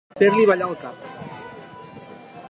Fer-li ballar el cap.